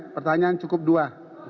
pertanyaan cukup dua